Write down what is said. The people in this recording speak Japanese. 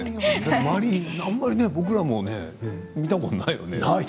あんまりね、僕らも見たことはないよね。